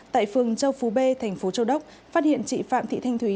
tại phường châu phú b tp châu đốc phát hiện chị phạm thị thanh thúy